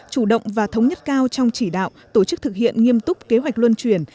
chủ động và thống nhất cao trong chỉ đạo tổ chức thực hiện nghiêm túc kế hoạch luân chuyển